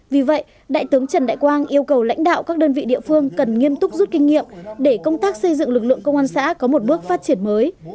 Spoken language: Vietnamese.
vì vậy đại tướng trần đại quang yêu cầu lãnh đạo các đơn vị địa phương cần nghiêm túc rút kinh nghiệm để công tác xây dựng lực lượng công an xã có một bước phát triển mới